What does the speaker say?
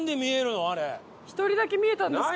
１人だけ見えたんですか？